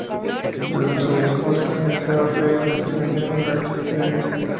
Los dos habían coprotagonizado previamente "A Million Ways to Die in the West".